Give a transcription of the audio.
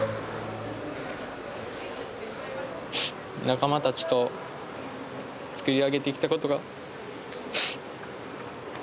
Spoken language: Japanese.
仲間たちと作り上げてきたことが。